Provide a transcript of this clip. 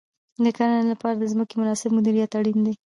د کرنې لپاره د ځمکې مناسب مدیریت اړین دی.